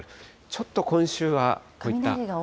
ちょっと今週はこういった。